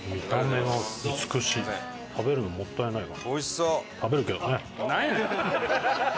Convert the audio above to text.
食べるのもったいないな。